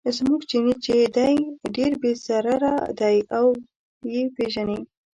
زموږ چیني چې دی ډېر بې ضرره دی او یې پیژني.